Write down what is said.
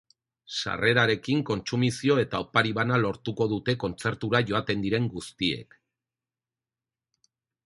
Sarrerarekin kontsumizio eta opari bana lortuko dute kontzertura joaten diren guztiek.